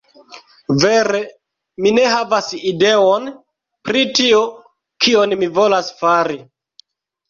Vere, mi ne havas ideon, pri tio, kion mi volas fari.